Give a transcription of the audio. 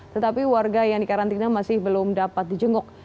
tetapi warga yang dikarantina masih belum dapat dijenguk